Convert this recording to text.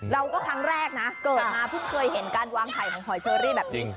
ครั้งแรกนะเกิดมาเพิ่งเคยเห็นการวางไข่ของหอยเชอรี่แบบนี้